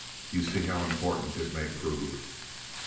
You see how important it may prove."